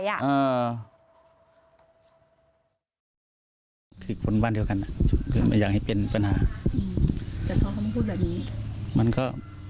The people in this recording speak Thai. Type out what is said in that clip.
คือคนบ้านเดียวกันคือมันอยากให้เป็นปัญหาอืมแต่พอเขาพูดแบบนี้มันก็